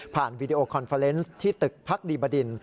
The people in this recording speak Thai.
วีดีโอคอนเฟอร์เนส์ที่ตึกพักดีบดิน